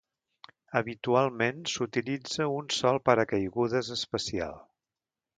Habitualment s’utilitza un sol paracaigudes especial.